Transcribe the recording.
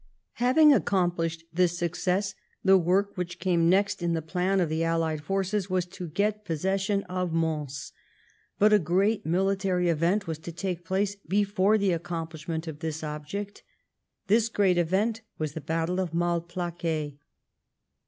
Having accomplished this success, the work which came next in the plan of the allied forces was to get possession of Mons, but a great military event was to take place before the 1709 MALPLAQUET. 25 accomplishment of this object. This great event was the battle of Malplaquet.